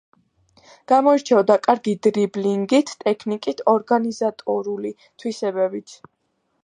გამოირჩეოდა კარგი დრიბლინგით, ტექნიკით, ორგანიზატორული თვისებებით.